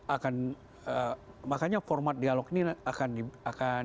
akan makanya format dialog ini akan